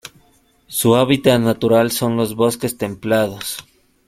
Su hábitat natural son los bosques templados.